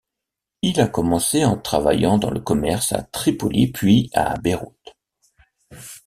Il a commencé en travaillant dans le commerce à Tripoli puis à Beyrouth.